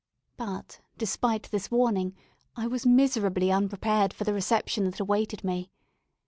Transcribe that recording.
But, despite this warning, I was miserably unprepared for the reception that awaited me.